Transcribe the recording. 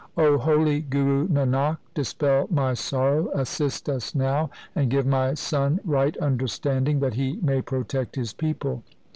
O holy Guru Nanak, dispel my sorrow, assist us now, and give my son right understanding that he may protect his people